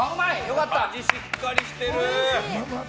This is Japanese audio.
味しっかりしてる！